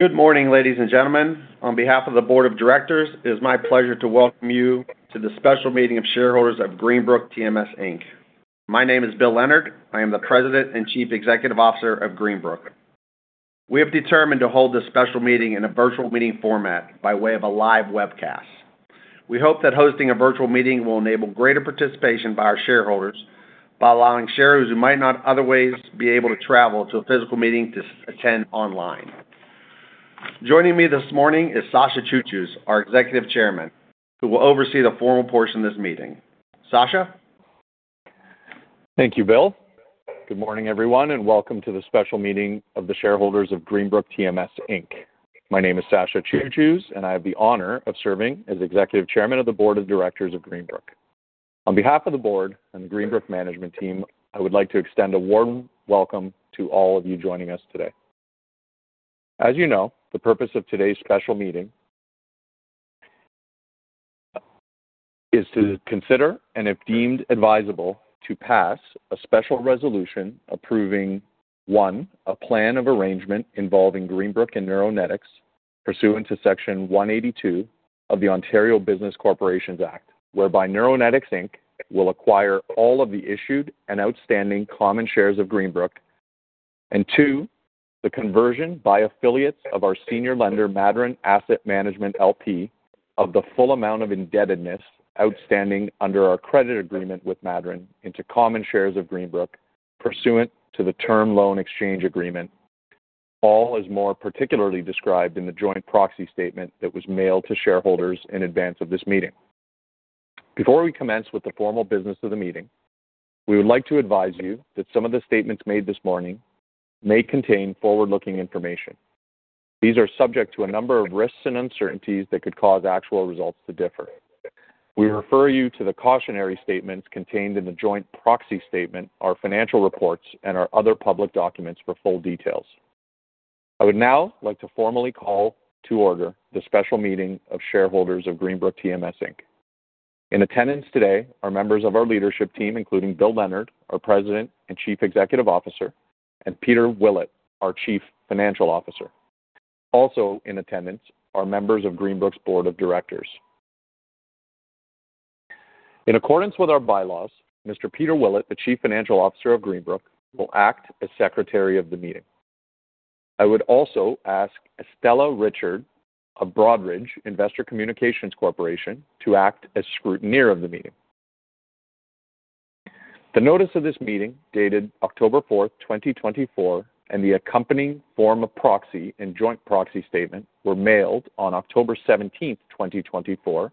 Good morning, ladies and gentlemen. On behalf of the board of directors, it is my pleasure to welcome you to the special meeting of shareholders of Greenbrook TMS Inc. My name is Bill Leonard. I am the President and Chief Executive Officer of Greenbrook. We have determined to hold this special meeting in a virtual meeting format by way of a live webcast. We hope that hosting a virtual meeting will enable greater participation by our shareholders by allowing shareholders who might not otherwise be able to travel to a physical meeting to attend online. Joining me this morning is Sasha Cucuz, our Executive Chairman, who will oversee the formal portion of this meeting. Sasha. Thank you, Bill. Good morning, everyone, and welcome to the special meeting of the shareholders of Greenbrook TMS Inc. My name is Sasha Cucuz, and I have the honor of serving as Executive Chairman of the board of directors of Greenbrook. On behalf of the board and the Greenbrook management team, I would like to extend a warm welcome to all of you joining us today. As you know, the purpose of today's special meeting is to consider and, if deemed advisable, to pass a special resolution approving: one, a plan of arrangement involving Greenbrook and Neuronetics pursuant to Section 182 of the Ontario Business Corporations Act, whereby Neuronetics Inc. Will acquire all of the issued and outstanding common shares of Greenbrook, and two, the conversion by affiliates of our senior lender, Madryn Asset Management, LP, of the full amount of indebtedness outstanding under our credit agreement with Madryn into common shares of Greenbrook pursuant to the term loan exchange agreement, all as more particularly described in the joint proxy statement that was mailed to shareholders in advance of this meeting. Before we commence with the formal business of the meeting, we would like to advise you that some of the statements made this morning may contain forward-looking information. These are subject to a number of risks and uncertainties that could cause actual results to differ. We refer you to the cautionary statements contained in the joint proxy statement, our financial reports, and our other public documents for full details. I would now like to formally call to order the special meeting of shareholders of Greenbrook TMS Inc. In attendance today are members of our leadership team, including Bill Leonard, our President and Chief Executive Officer, and Peter Willett, our Chief Financial Officer. Also in attendance are members of Greenbrook's board of directors. In accordance with our bylaws, Mr. Peter Willett, the Chief Financial Officer of Greenbrook, will act as secretary of the meeting. I would also ask Estella Richard of Broadridge Investor Communications Corporation to act as scrutineer of the meeting. The notice of this meeting dated October 4, 2024, and the accompanying form of proxy and joint proxy statement were mailed on October 17, 2024,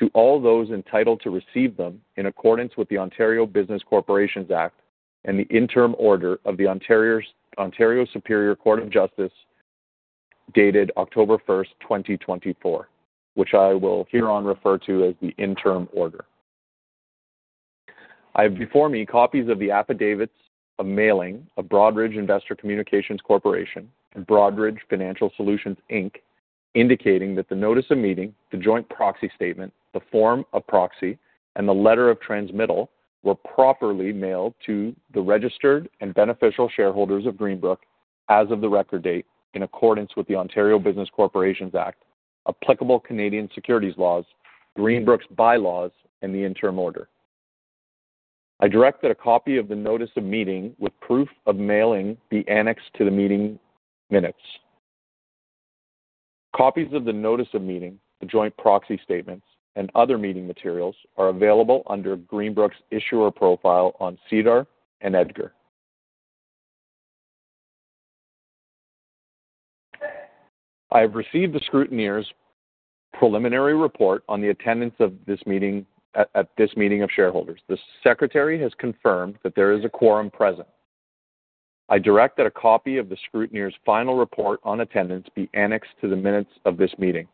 to all those entitled to receive them in accordance with the Ontario Business Corporations Act and the interim order of the Ontario Superior Court of Justice dated October 1st, 2024, which I will hereon refer to as the interim order. I have before me copies of the affidavits of mailing of Broadridge Investor Communications Corporation and Broadridge Financial Solutions, Inc., indicating that the notice of meeting, the joint proxy statement, the form of proxy, and the letter of transmittal were properly mailed to the registered and beneficial shareholders of Greenbrook as of the record date in accordance with the Ontario Business Corporations Act, applicable Canadian securities laws, Greenbrook's bylaws, and the interim order. I direct that a copy of the notice of meeting with proof of mailing be annexed to the meeting minutes. Copies of the notice of meeting, the joint proxy statements, and other meeting materials are available under Greenbrook's issuer profile on SEDAR and EDGAR. I have received the scrutineer's preliminary report on the attendance of this meeting of shareholders. The secretary has confirmed that there is a quorum present. I direct that a copy of the scrutineer's final report on attendance be annexed to the minutes of this meeting.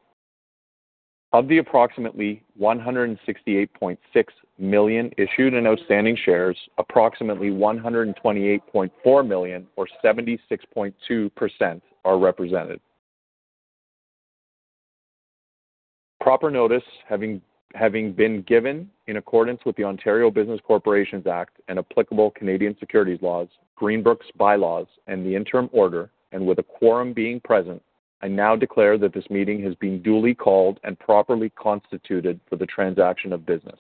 Of the approximately 168.6 million issued and outstanding shares, approximately 128.4 million, or 76.2%, are represented. Proper notice having been given in accordance with the Ontario Business Corporations Act and applicable Canadian securities laws, Greenbrook's bylaws, and the Interim Order, and with a quorum being present, I now declare that this meeting has been duly called and properly constituted for the transaction of business.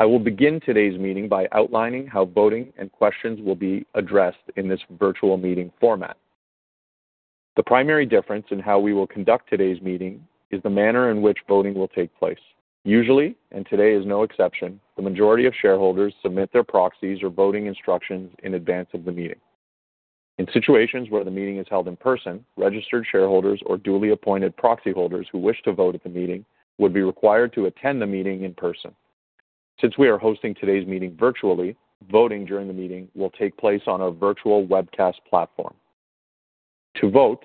I will begin today's meeting by outlining how voting and questions will be addressed in this virtual meeting format. The primary difference in how we will conduct today's meeting is the manner in which voting will take place. Usually, and today is no exception, the majority of shareholders submit their proxies or voting instructions in advance of the meeting. In situations where the meeting is held in person, registered shareholders or duly appointed proxy holders who wish to vote at the meeting would be required to attend the meeting in person. Since we are hosting today's meeting virtually, voting during the meeting will take place on a virtual webcast platform. To vote,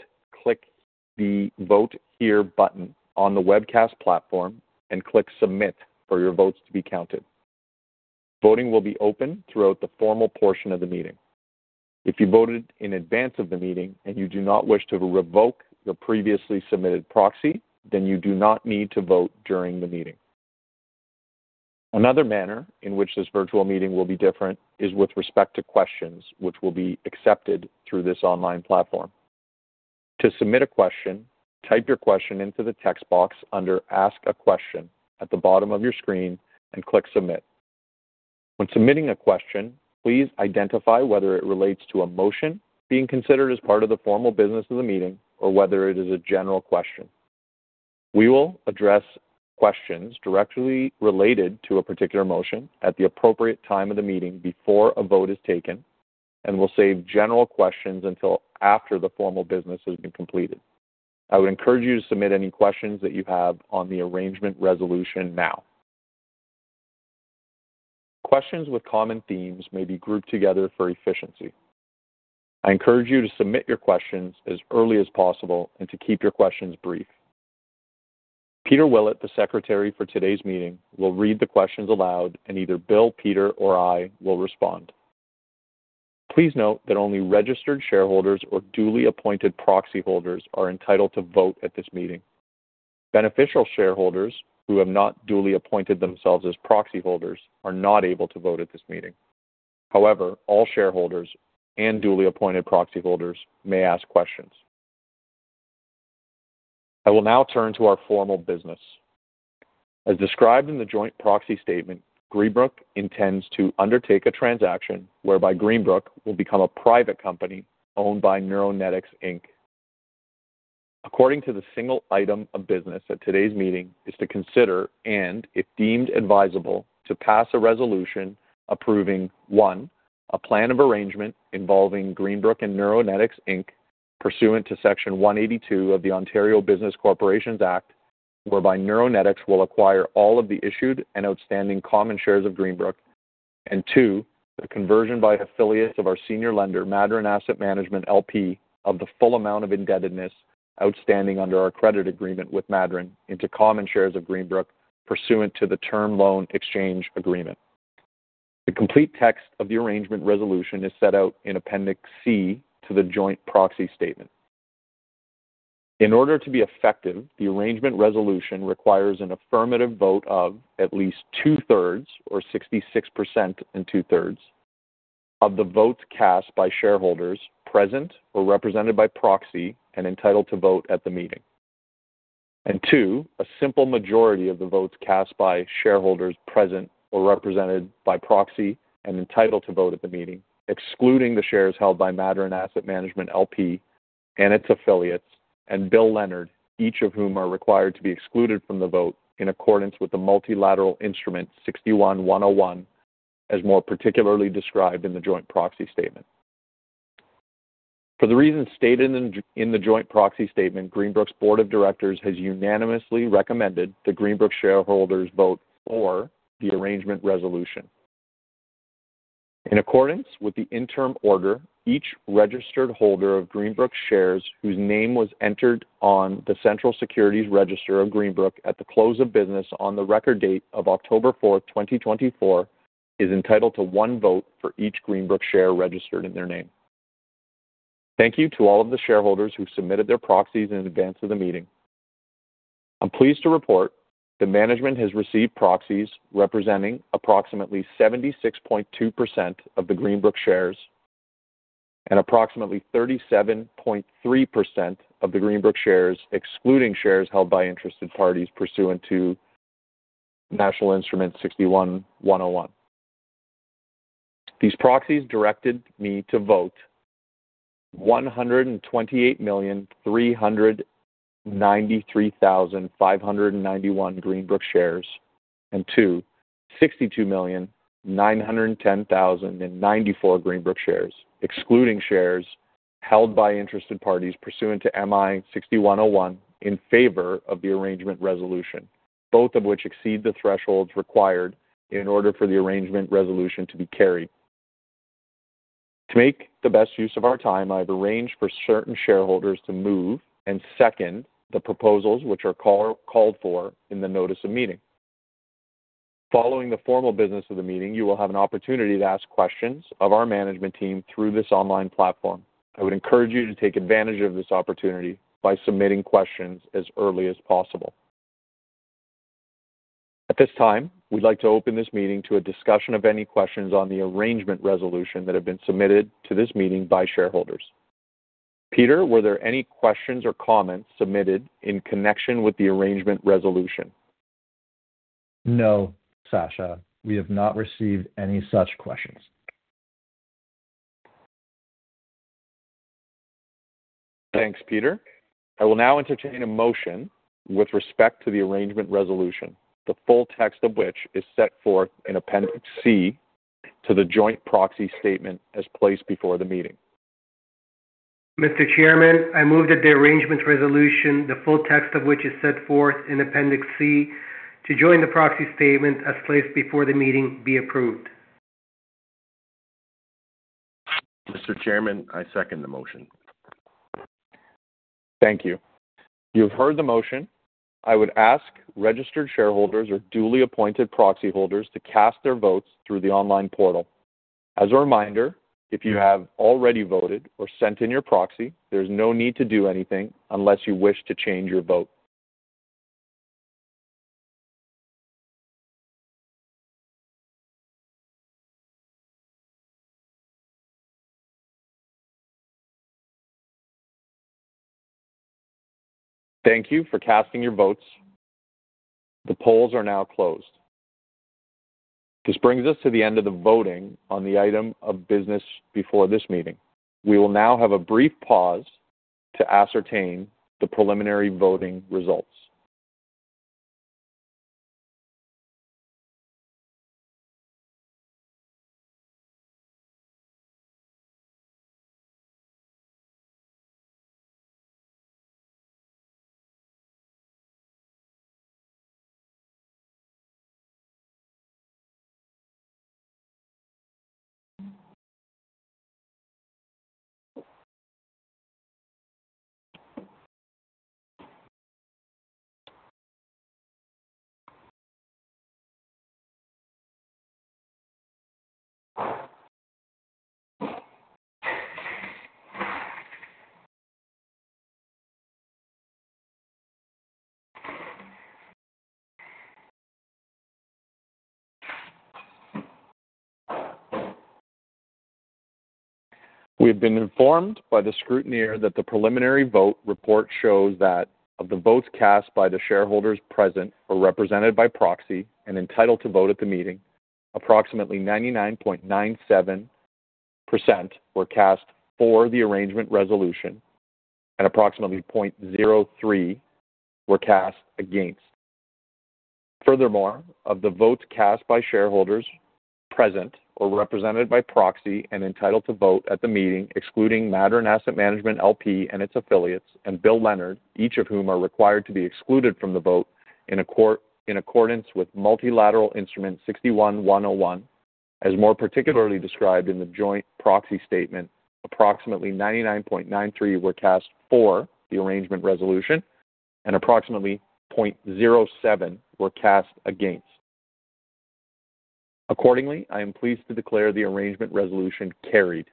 click the Vote Here button on the webcast platform and click Submit for your votes to be counted. Voting will be open throughout the formal portion of the meeting. If you voted in advance of the meeting and you do not wish to revoke your previously submitted proxy, then you do not need to vote during the meeting. Another manner in which this virtual meeting will be different is with respect to questions, which will be accepted through this online platform. To submit a question, type your question into the text box under Ask a Question at the bottom of your screen and click Submit. When submitting a question, please identify whether it relates to a motion being considered as part of the formal business of the meeting or whether it is a general question. We will address questions directly related to a particular motion at the appropriate time of the meeting before a vote is taken and will save general questions until after the formal business has been completed. I would encourage you to submit any questions that you have on the arrangement resolution now. Questions with common themes may be grouped together for efficiency. I encourage you to submit your questions as early as possible and to keep your questions brief. Peter Willett, the secretary for today's meeting, will read the questions aloud and either Bill, Peter, or I will respond. Please note that only registered shareholders or duly appointed proxy holders are entitled to vote at this meeting. Beneficial shareholders who have not duly appointed themselves as proxy holders are not able to vote at this meeting. However, all shareholders and duly appointed proxy holders may ask questions. I will now turn to our formal business. As described in the Joint Proxy Statement, Greenbrook intends to undertake a transaction whereby Greenbrook will become a private company owned by Neuronetics, Inc. According to the single item of business at today's meeting is to consider and, if deemed advisable, to pass a resolution approving: one, a Plan of Arrangement involving Greenbrook and Neuronetics, Inc. Pursuant to Section 182 of the Ontario Business Corporations Act, whereby Neuronetics will acquire all of the issued and outstanding common shares of Greenbrook, and two, the conversion by affiliates of our senior lender, Madryn Asset Management, LP, of the full amount of indebtedness outstanding under our credit agreement with Madryn into common shares of Greenbrook pursuant to the term loan exchange agreement. The complete text of the arrangement resolution is set out in Appendix C to the joint proxy statement. In order to be effective, the arrangement resolution requires an affirmative vote of at least 2/3s, or 66% and 2/3s, of the votes cast by shareholders present or represented by proxy and entitled to vote at the meeting, and two, a simple majority of the votes cast by shareholders present or represented by proxy and entitled to vote at the meeting, excluding the shares held by Madryn Asset Management, LP and its affiliates and Bill Leonard, each of whom are required to be excluded from the vote in accordance with the Multilateral Instrument 61-101, as more particularly described in the joint proxy statement. For the reasons stated in the joint proxy statement, Greenbrook's board of directors has unanimously recommended that Greenbrook shareholders vote for the arrangement resolution. In accordance with the Interim Order, each registered holder of Greenbrook shares whose name was entered on the central securities register of Greenbrook at the close of business on the record date of October 4, 2024, is entitled to one vote for each Greenbrook share registered in their name. Thank you to all of the shareholders who submitted their proxies in advance of the meeting. I'm pleased to report that management has received proxies representing approximately 76.2% of the Greenbrook shares and approximately 37.3% of the Greenbrook shares, excluding shares held by interested parties pursuant to Multilateral Instrument 61-101. These proxies directed me to vote 128,393,591 Greenbrook shares and 262,910,094 Greenbrook shares, excluding shares held by interested parties pursuant to MI 61-101 in favor of the Arrangement Resolution, both of which exceed the thresholds required in order for the Arrangement Resolution to be carried. To make the best use of our time, I have arranged for certain shareholders to move and second the proposals which are called for in the notice of meeting. Following the formal business of the meeting, you will have an opportunity to ask questions of our management team through this online platform. I would encourage you to take advantage of this opportunity by submitting questions as early as possible. At this time, we'd like to open this meeting to a discussion of any questions on the arrangement resolution that have been submitted to this meeting by shareholders. Peter, were there any questions or comments submitted in connection with the arrangement resolution? No, Sasha. We have not received any such questions. Thanks, Peter. I will now entertain a motion with respect to the arrangement resolution, the full text of which is set forth in Appendix C to the joint proxy statement as placed before the meeting. Mr. Chairman, I move that the Arrangement Resolution, the full text of which is set forth in Appendix C to the Joint Proxy Statement as placed before the meeting, be approved. Mr. Chairman, I second the motion. Thank you. You've heard the motion. I would ask registered shareholders or duly appointed proxy holders to cast their votes through the online portal. As a reminder, if you have already voted or sent in your proxy, there is no need to do anything unless you wish to change your vote. Thank you for casting your votes. The polls are now closed. This brings us to the end of the voting on the item of business before this meeting. We will now have a brief pause to ascertain the preliminary voting results. We have been informed by the scrutineer that the preliminary vote report shows that of the votes cast by the shareholders present or represented by proxy and entitled to vote at the meeting, approximately 99.97% were cast for the arrangement resolution and approximately 0.03% were cast against. Furthermore, of the votes cast by shareholders present or represented by proxy and entitled to vote at the meeting, excluding Madryn Asset Management, LP and its affiliates and Bill Leonard, each of whom are required to be excluded from the vote in accordance with Multilateral Instrument 61-101, as more particularly described in the Joint Proxy Statement, approximately 99.93% were cast for the Arrangement Resolution and approximately 0.07% were cast against. Accordingly, I am pleased to declare the Arrangement Resolution carried.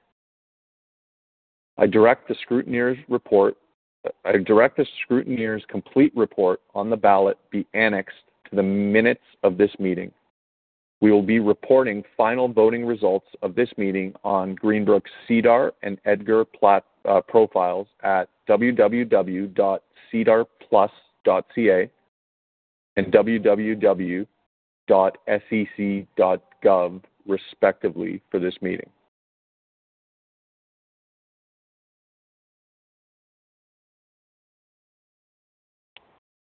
I direct the scrutineer's complete report on the ballot be annexed to the minutes of this meeting. We will be reporting final voting results of this meeting on Greenbrook's SEDAR and EDGAR profiles at www.sedarplus.ca and www.sec.gov, respectively, for this meeting.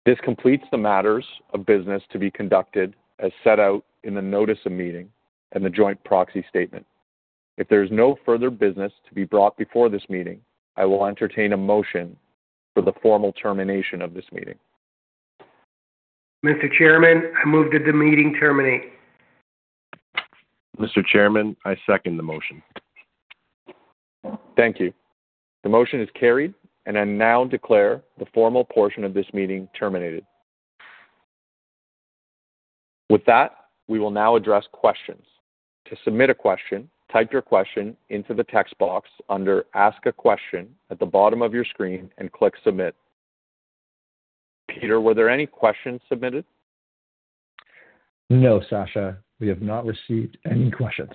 This completes the matters of business to be conducted as set out in the notice of meeting and the Joint Proxy Statement. If there is no further business to be brought before this meeting, I will entertain a motion for the formal termination of this meeting. Mr. Chairman, I move that the meeting terminate. Mr. Chairman, I second the motion. Thank you. The motion is carried, and I now declare the formal portion of this meeting terminated. With that, we will now address questions. To submit a question, type your question into the text box under Ask a Question at the bottom of your screen and click Submit. Peter, were there any questions submitted? No, Sasha. We have not received any questions.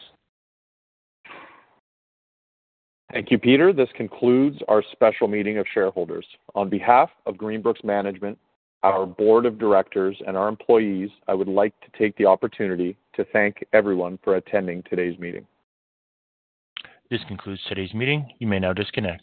Thank you, Peter. This concludes our special meeting of shareholders. On behalf of Greenbrook's management, our board of directors, and our employees, I would like to take the opportunity to thank everyone for attending today's meeting. This concludes today's meeting. You may now disconnect.